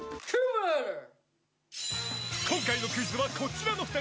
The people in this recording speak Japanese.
今回のクイズは、こちらの２人。